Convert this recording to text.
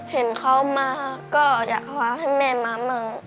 เห็นเขามาก็อยากพาให้แม่มามั่ง